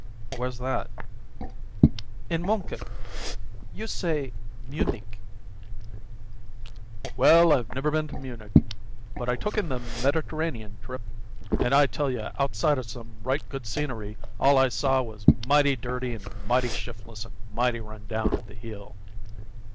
"Where's that?" "In Munchen. You say 'Munich.'" "Well, I never been to Munich, but I took in the Mediterranean trip, and I tell you, outside o' some right good scenery, all I saw was mighty dirty and mighty shiftless and mighty run down at the heel.